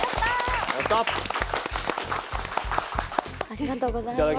ありがとうございます。